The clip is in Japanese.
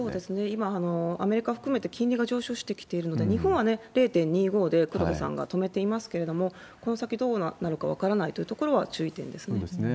今、アメリカ含めて金利が上昇してきているので、日本は０．２５で黒田さんが止めていますけれども、この先どうなるか分からないというところは、注意点ですね。